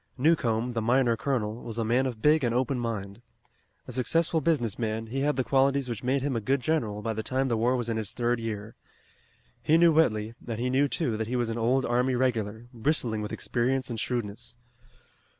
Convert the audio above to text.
Newcomb, the miner colonel, was a man of big and open mind. A successful business man, he had the qualities which made him a good general by the time the war was in its third year. He knew Whitley and he knew, too, that he was an old army regular, bristling with experience and shrewdness.